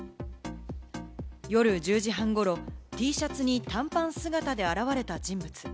夜１０時半ごろ、Ｔシャツに短パン姿で現れた人物。